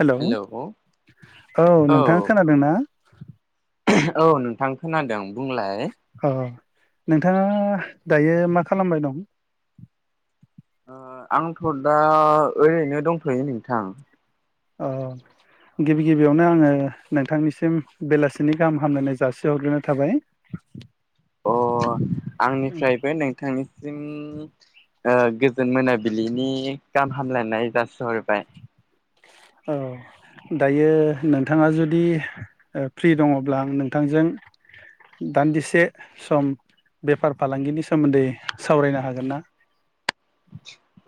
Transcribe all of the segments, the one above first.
Hello औ औ नोंथाङा खोनादों ना? औ नोंथां खोनादों । बुंलाय अ नोंथाङा दायो मा खालामबाय दं? ओ आंथ' दा ओरैनो दंथ'यो नोंथां । ओ गिबि गिबियावनो आङो नोंथांनिसिम बेलासिनि गाहाम हामलाय जासिहरग्रोनाय थाबाय । अ आंनिफ्रायबो नोंथांनिसिम ओ गोजोन मोनाबिलिनि गाहाम हामलायनाय जासिहरबाय। औ दायो नोंथाङा जुदि ओ फ्रि दङब्ला आं नोंथांजों दान्दिसे सम बेफार फालांगिनि सोमोन्दै सावरायनो हागोन ना?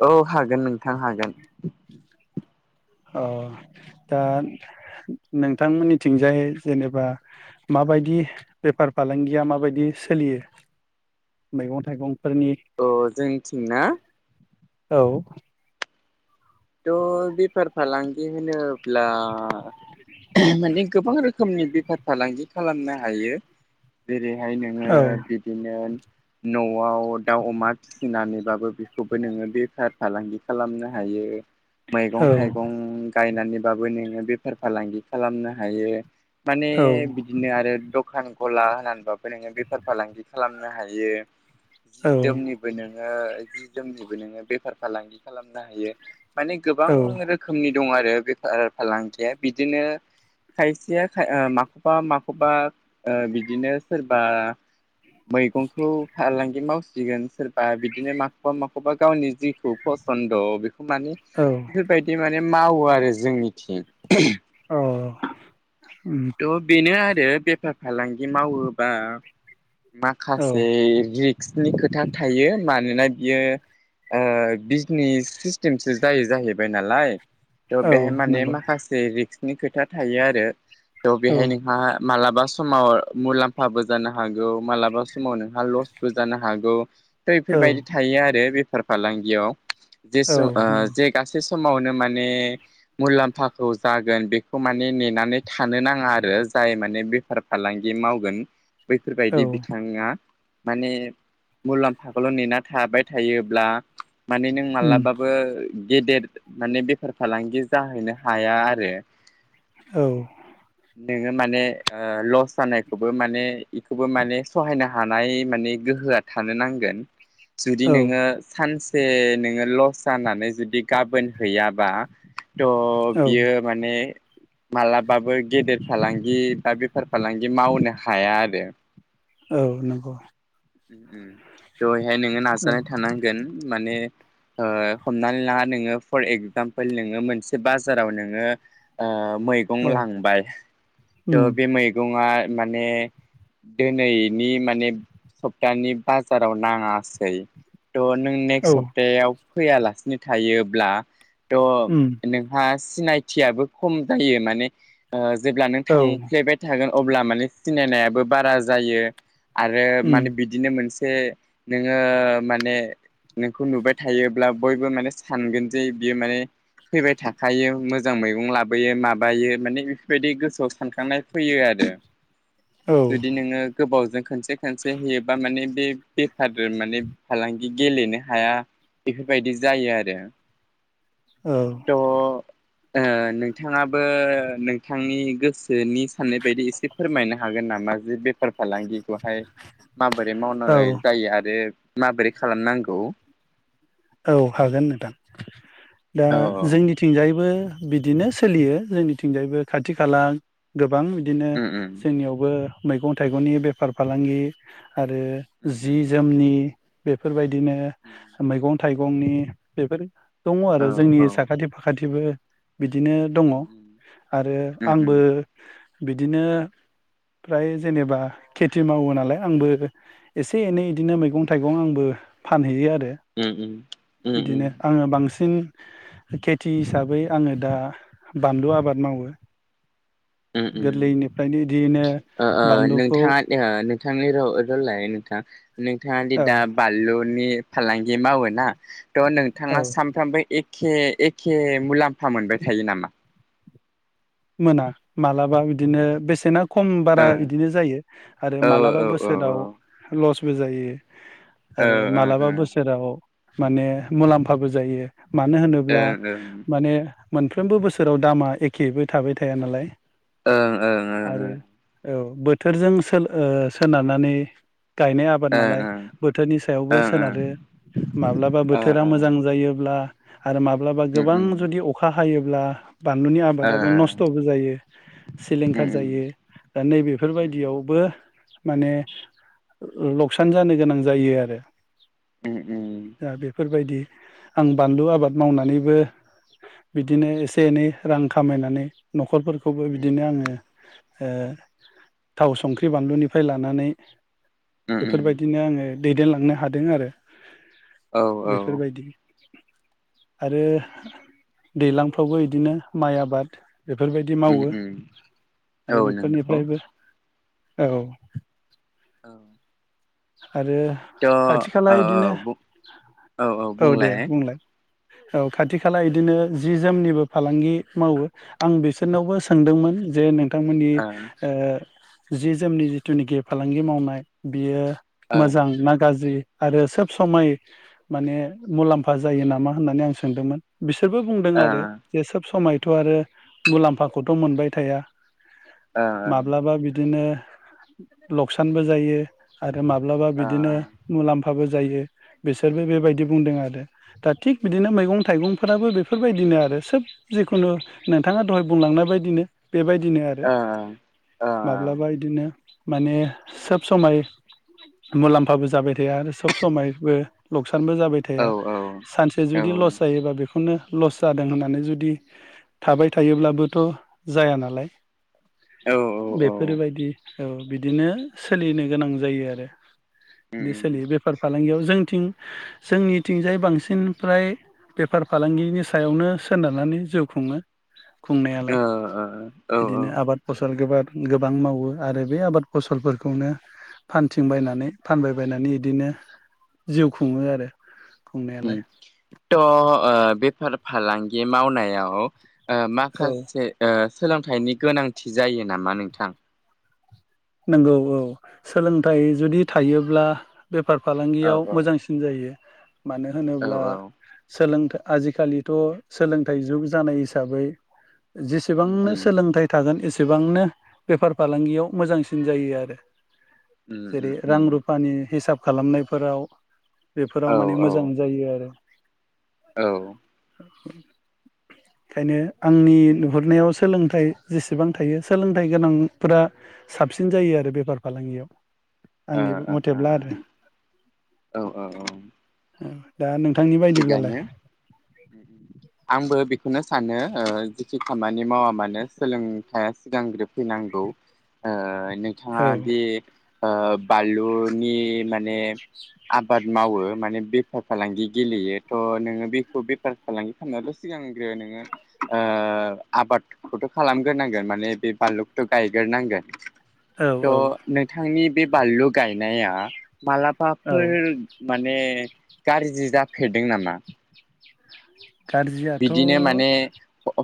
औ हागोन नोंथां हागोन । अ दा नोंथांमोननिथिंजाय जेनेबा माबायदि बेफार फालांगिया माबायदि सोलियो मैगं थाइगं अ जोंथिं ना? औ थ' बेफार फालांगि होनोब्ला माने गोबां रोखोमनि बेफार फालांगि खालामनो हायो जेरै हाय नोङो औ बिदिनो न'आव दाउ अमा फिसिनानैबाबो बेखौबो नोङो बेफार फालांगि खालामनो हायो। मैगं औ थाइगं गायनानै बाबो नोङो बेफार फालांगि खालामनो हायो। माने औ बिदिनो आरो दख दखान गला होनानैबाबो नोङो बेफार फालांगि खालामनो हायो। जि जोमनिबो नों ओ जि जोमनिबो नोङो बेफार फालांगि खालामनो हायो। माने औ गोबां रोखोमनि दं आरो बेफा फालांगिया बिदिनो खायसेया ओ माखौबा माखौबा ओ बिदिनो सोरबा मैगंखौ फालांगि मावसिगोन सोरबा बिदिनो माखौबा माखौबा गावनि जिखौ फसन्द' बेखौ मान औ बिफोरबायदि मान बे मावो आरो जोंनिथिं। औ उम थ' बेनो आरो बेफार फालांगि मावोबा औ माखासे रिक्स नि खोथा थायो मानोना बियो ओ बिजनिस सिस्टेमसो जायो जाहैबाय नालाय। थ' औ बेहाय माने नंगौ माखासे रिक्स नि खोथा थायो आरो। थ' औ बेहाय नोंहा मालाबा स समाव मुलाम्फाबो जानो हागौ मालाबा समाव नोंहा लसबो जानो हागौ। औ बैफोरबायदि थायो आरो बे फार फालांगियाव औ जेस' ओ जे गासेस समावनो माने मुलाम्फाखौ जागोन बेखौ माने नेनानै थानो नाङा आरो जाय माने बेफार फालांगि मावगोन बैफोरबायदि बिथाङा माने मुलाम्फाखौल' नेना थाबाय थायोब्ला माने नों उम माब्लाबाबो गेदेर माने बेफार फालांगि जाहैनो हाया आरो। औ नोंङो माने लस जानायखौबो माने बेखौबो माने सहायनो हानाय माने गोहोआ थानो नांगोन। जुदि औ नोङो सान से नोंङो लस जानानै जुदि गाबोन हैयाबा थ' औ बियो माने माला बाबो गेदेर फालांगि बा बेफार फालांगि मावनो हाया आरो। औ नंगौ। अम द‌एहाय नोंङो औ नाजानाय थानांगोन माने ओ हमनानै ला नोंङो फर एगजामपोल नोंङो मोनसे बाजाराव नोङो ओ मैगं औ लांबाय उम थ' बे मैगंआ माने दिनैनि माने सप्तानि बाजाराव नाङा सै थ' नों औ नेक्स्ट सप्तायाव फैयालासिनो थायोब्ला उम थ' नोंहा सिनायथियाबो खम जायो माने ओ जेब्ला नों औ थांफ्लेबाय थागोन अब्ला माने सिनायनायाबो बारा जायो आरो उम माने बिदिनो मोन से नोंङो माने नोंखौ नुबाय थायोब्ला बयबो माने सानगोन जे बियो माने फैबाय थाखायो मोजां मैगं लाबोयो माबायो माने बेफोरबायदि गोसोआव सानखांनाय फैयो आरो। औ जुदि नोंङो गोबावजों खनसे सानसे होयोबा माने बे बेफार माने फालांगि गेलेनो हाया बेफोरबायदि जायो आरो। थ' ओ नोंथाङाबो ओ नोंथांनि गोसोनि साननाय बायदि एसे फोरमायनो हागोन नामा जे बेफार फालांगिखौ माबोरै औ मावनाय जायो आरो माबोरै खालामनांगौ औ हागोन नोंथां दा औ जोंनिथिंजायबो बिदिनो सोलियो जोंनिथिंजायबो खाथि खाला गो गोबां बिदिनो उम उम जोंनियावबो मैगं थाइगंनि बेफार फालांगि आरो जि उम जोमनि बेफोरबायदि दिनो उम मैंगं थाइगंनि बेफोर दङ औ आरो जोंनि औ साखाथि फाखाथिबो बिदिनो दङ उम उम आरो आंबो उम बिदिनो फ्राय जेनेबा खेथि मावो नालाय आंबो एसे एनै बिदिनो मैगं थाइगं आंबो फानहैयो आरो। उम उम उम बिदिनो आङो बांसिन सिन खेथि हिसाबै आङो दा बानलु आबाद मावो उम उम गोरलैनि फ्रायानो इदियैनो ओ ओ बानलुखौ नोंथाङा ओ नोंथांनि राव रलाय नोंथां नोंथाङा दि औ दा बानलुनि फालांगि मावो ना। थ' औ नोंथाङा सानफ्रोमबो एक एखे एखे मुलाम्फा मोनबाय थायो नामा? मोना मालाबा बिदिनो बेसेना खम बारा ओ बिदिनो जायो आरो औ मालाबा औ औ बोसोराव लस बो जायो। ओ आरो ओ मालाबा ओ बोसोराव माने मुलाम्फाबो जायो। मानो होनोब्ला ओं ओं माने मोनफ्रोमबो बोसोराव दामा एखेबो थाबाय थाया नालाय ओं आरो ओं औ। बोथोरजों सोलो सोनारनानै गायनाय आबाद ओं नालाय बोथोरनि सायावबो ओं सोनारो माब्लाबा ओं बोथोरा मोजां जायोब्ला आरो माब्लाबा ओं गोबां जुदि अखा फायोब्ला बानलु ओ दाबो ओं नस्थ'बो जायो उम उम ओ उम सिलिंखार जायो दा नैबेफोरबायदियावबो माने लकसान जानो गोनां जायो आरो। उम दा बेफोरबायदि आं बानलु उम आबाद मावनानैबो। बिदिनो एसे एनै रां। खामायनानै न'खरफोर खौबो उम बिदिनो आङो। ओ थाव संख्रि बानलुनिफ्राय लानानै। उम उम बेफोरबायदिनो आङो। दैदेनलांनो हादों आरो। औ औ बेफेर बायदि। आरो दैलांफ्रावबो इदिनो। माइ आबाद। बेफोरबायदि उम मावो उम औ आरो नंगौ बेफोरनिफ्रायबो। औ। औ आरो थ' खाथि खाला औ औ इदिनो बुं औ दे बुंलाय। औ खाथि खाला इदिनो जि जोमनिबो फालांगि मावो आं बिसोरनावबो सोंदोंमोन जे नों। थांमोननि ओ जि जोमनि जिथुनिखि फालांगि मावनाय बियो। ओ मोजां ना गाज्रि। आरो सोब समाय माने मुलाम्फा जायो नामा होननानै आं सोंदोंमोन बि सोरबो बुंदों आरो जे सोब समाय। थ'आरो मुलाम्फाखौथ' मोनबाय थाया। माब्लाबा बिदिनो। लकसानबो जायो। माब्लाबा बिदिनो मुला फाबो जायो बिसोर। सोरबो बेबायदि बुंदों आरो। [inaudible] दा थिग बिदिनो मैगं थाइगं। फोराबो बेफोरबायदिनो आरो सोब जिखुनु। नोंथाङा दहाय बुंलांनाय बायदिनो। बेबायदिनो आरो माब्लाबा बिदिनो। माने सोब समाय। मुलाम्फाबो जाबाय थाया आरो सब समायबो। लकसानबो जाबाय ओ औ थाया सानसे जुदि लस जायोबा बेखौनो लस जादों होननानै जुदि थाबाय थायोब्लाबोथ' जाया नालाय। ओ ओ बेफोरबायदि । औ बिदिनो सोलिनो गोनां जायो आरो। बे सोलि बेफार फालांगियाव जों थिं जोंनिथिंजाय बांसिन फ्राय बेफार फालांगिनि सायावनो सोनारनानै जिउ खुङो। खुंनायालाय औ बिदिनो आबाद फसल गोबा गोबां मावो आरो बे आबाद फसलफोरखौनो फानथिं बायनानै फानबायबायनानै बिदिनो जिउ खुङो आरो। उम खुंनायालाय थ' ओ बेफार फालांगि मावनायाव ओ औ माखासे ओ सोलोंथाइनि गोनांथि जायो नामा नोंथां? नंगौ औ सोलोंथाइ जुदि थायोब्ला बेफार औ फालांगियाव औ मोजांसिन जायो। मानो औ होनोब्ला औ सोलोंथा आजिखालिथ' सोलोंथाइ जुग जानाय हिसाबै उम जेसेबांनो उम सोलोंथाइ थागोन एसेब एसेबांनो बेफार फालांगियाव मोजांसि सिन जायो आरो। उम जेरै उम रां उम रुफानि हिसाब। खालामनायफोराव बेफोराव औ माने औ मोजां जायो आरो। औ ओंखायनो आंनि उम नुहुरनायाव सोलोंथा थाय जेसेबां थायो सोलोंथाइ गोनांफोरा साबसिन जायो आरो बेफार फालांगियाव। आंनि ओ मथेब्ला ओ आरो ओ ओ औ औ औ। दा नों थिगानो आंबो बिख बेखौनो सानो ओ जिखि खामानि मावा मानो सोलोंथाइया सिगांग्रो फैनांगौ ओ औ नोंथाङादि ओ बालुनि माने आबाद मावो माने बेफार फालांगि गेलेयो थ' नोङो बेखौ बेफर बेफार फालांगि खामनायाथ' सिगांग्रो नोङो ओ आबादखौथ' खालामग्रोनांगोन माने बे बानलुखौथ' गायगोरनांगोन। औ थ' औ नोंथांनि बे बानलु गायनाया औ मालाबाफोर माने गारजि जाफ फेेरदों नामा? गाज्रियाथ' बिदिनो माने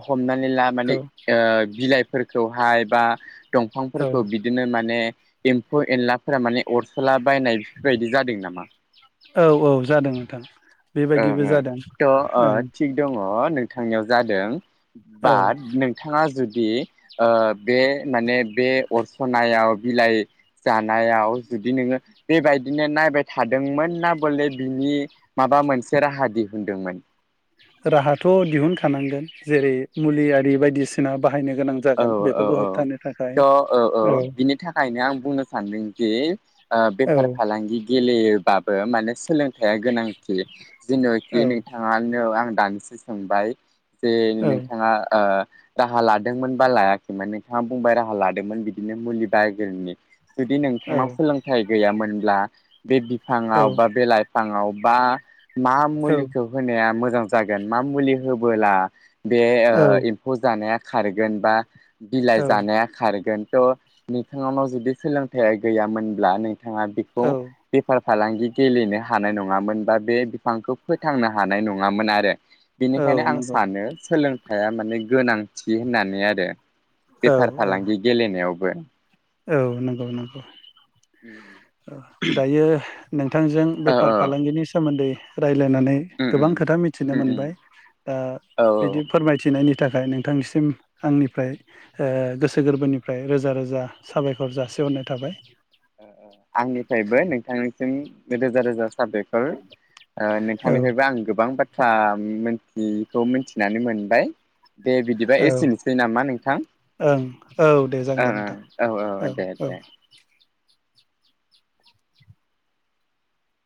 हमनानै ला माने औ ओ बिलाइ फोरखौहाय बा औ दंफांफोरखौ बिदिनो माने एम्फौ एनलाफोरा माने अर ला बायनाय बेफोरबायदि जादों नामा? औ औ जादों नोंथां । ओं ओं थ' ओ थिग दङ। नोंथांनियाव जादों । औ बाट नोंथाङा जुदि ओ बे माने बे अरसनायाव बिलाइ जानायाव जुदि नोङो बेबायदिनो नायबाय थादोंमोन ना बोले बिनि माबा मोन मोनसे राहा दिहोनदोंमोन। राहाथ' दिहुनखानांगोन जेरै मुलि आरि बायदिसिना बाह औ औ औ थ' औ औ बिनि थाखायनो आं बुंनो सान्दों बे औ बेफार फालांगि गेलेयो बाबो माने सोलों थाइया गोनांथि जोङो कि औ नोंथाङनो आंनो दानसो सोंबाय जे औ नोंथाङा ओ राहा लादों लादोंमोन बा लायाखैमोन नोंथाङा बुंबाय राहा लादोंमोन बिदिनो मुलि [inaudible] जुदि औ नोंथांनाव सोलोंथाइ गैयामोनब्ला बे औ बिफाङाव बा बे लाइफाङाव बा मा औ मुलिखौ होनाया मो मोजां जागोन मा मुलि होबोला बे औ एम्फौ जानाया खारगोन बा बिलाइ जानाया खारगोन । थ' नोंथांनाव जुदि सोलोंथाइ गैयामोनब्ला नों थाङा बेखौ औ बेफार फालांगि गेलेनो हानाय नङामोन बा बे बिफांखौ फोथांनो हानाय नङामोन आरो औ बेनिखायनो आं नंगौ सानो सोलोंथाइ हाया माने गोनां थि होननानै आरो औ बेफार औ फालांगि गेलेनायावबो [unintelligible] औ नंगौ नंगौ औ दायो नोंथांजों औ बेफार औ फालांगिनि सोमोन्दै र [unintelligible] रायलायनानै उम गोबां उम खोथा मिथिनो उम उम मोनबाय दा औ बिदि औ फोरमायथिनायनि बेनि थाखाय नोंथांनिसिम आंनिफ्राय गोसो गोरबोनिफ्राय रोजा रोजा साबायखर जासिहरनाय थाबाय आंनिफ्रायबो नोंथांनिसिम रोजा रोजा साबायखर औ नोंथांनिफ्रायबो आं गोबां बाथ्रा आ उम मोनथियैखौ मोनथिखौ मोथिनानै मोनबाय दे बिदिबा औ एसेनोसै नामा नोंथां ओं औ दे जागोन दे ओं नोंथां ओं औ औ दे दे